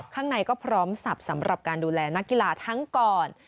ข้างในก็พร้อมสับสำหรับการดูแลนักกีฬาทั้งก่อน